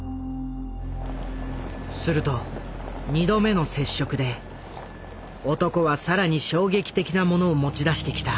すると２度目の接触で男は更に衝撃的なものを持ち出してきた。